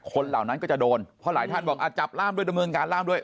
เหล่านั้นก็จะโดนเพราะหลายท่านบอกจับล่ามด้วยดำเนินการล่ามด้วย